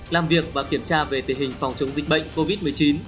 làm việc và kiểm tra về tình hình phòng chống dịch bệnh covid một mươi chín